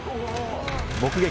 「目撃！